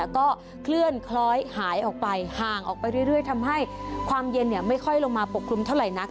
ก็เคลื่อนคล้อยหายออกไปห่างออกไปเรื่อยทำให้ความเย็นไม่ค่อยลงมาปกคลุมเท่าไหร่นัก